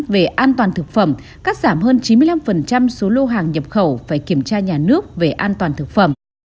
về an toàn thực phẩm cắt giảm hơn chín mươi năm số lô hàng nhập khẩu phải kiểm tra nhà nước về an toàn thực phẩm